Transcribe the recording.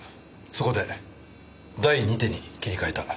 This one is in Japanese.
そこで第２手に切り替えた。